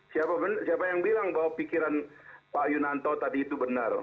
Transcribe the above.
siapa yang bilang bahwa pikiran pak yunanto tadi itu benar